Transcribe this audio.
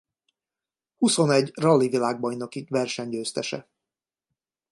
Huszonegy rali-világbajnoki verseny győztese.